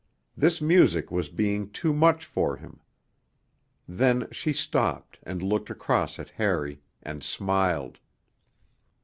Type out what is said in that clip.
This music was being too much for him. Then she stopped, and looked across at Harry and smiled.